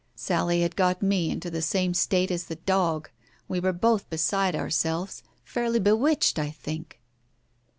Sally had got me into the same state as the dog, we were both beside ourselves — fairly bewitched, I think.